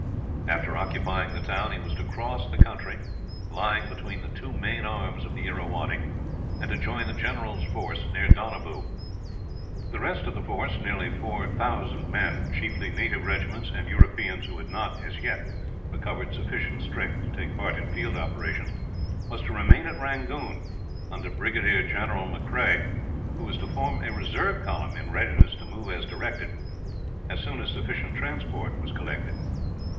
After occupying the town, he was to cross the country lying between the two main arms of the Irrawaddy, and to join the general's force near Donabew. The rest of the force nearly 4000 men, chiefly native regiments and Europeans who had not, as yet, recovered sufficient strength to take part in field operations was to remain at Rangoon, under Brigadier General M'Creigh; who was to form a reserve column, in readiness to move as directed, as soon as sufficient transport was collected.